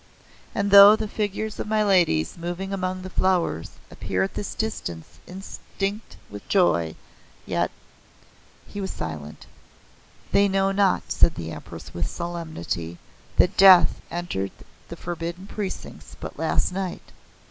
And though the figures of my ladies moving among the flowers appear at this distance instinct with joy, yet " He was silent. "They know not," said the Empress with solemnity "that death entered the Forbidden Precincts but last night.